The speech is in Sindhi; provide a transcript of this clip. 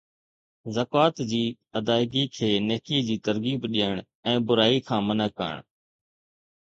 زڪوات جي ادائگي کي نيڪي جي ترغيب ڏيڻ ۽ برائي کان منع ڪرڻ